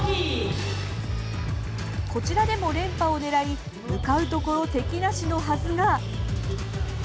こちらでも連覇を狙い向かうところ敵なしのはずが。